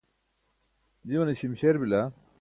jimale śimśer bila.